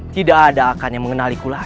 tidak ada akan yang mengenaliku lagi